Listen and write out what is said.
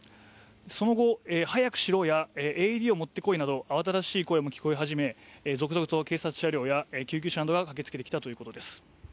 その後、早くしろやＡＥＤを持ってこいなど、慌ただしい声が聞こえ始め、続々と警察車両や救急車などが駆けつけてきたということです。